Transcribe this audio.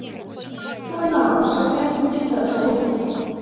多瑙是该地区的首府。